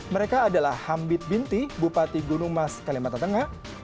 mereka adalah hambit binti bupati gunung mas kalimantan tengah